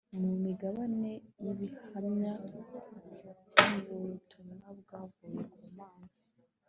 mu migabane y'ibihamya nk'ubutumwa bwavuye ku mana